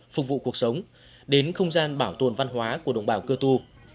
phục vụ cuộc sống đến không gian bảo tồn văn hóa của đồng bào cơ tu